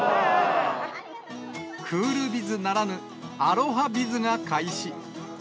クールビズならぬ、アロハビズが開始。